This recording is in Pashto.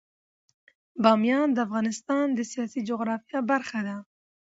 بامیان د افغانستان د سیاسي جغرافیه برخه ده.